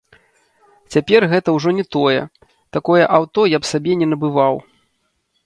Цяпер гэта ўжо не тое, такое аўто я б сабе не набываў.